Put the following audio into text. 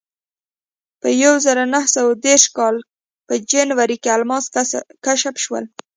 په یوه زرو نهه سوه دېرشم کال په جنورۍ کې الماس کشف شول.